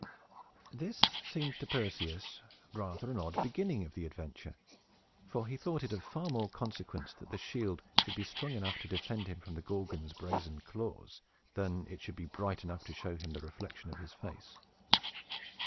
This seemed to Perseus rather an odd beginning of the adventure; for he thought it of far more consequence that the shield should be strong enough to defend him from the Gorgon's brazen claws, than that it should be bright enough to show him the reflection of his face.